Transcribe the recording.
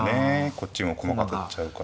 こっちも駒が当たっちゃうから。